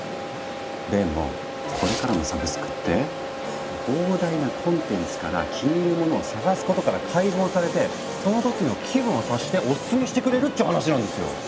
でもこれからのサブスクって膨大なコンテンツから気に入るものを探すことから解放されてその時の気分を察してオススメしてくれるって話なんですよ。え？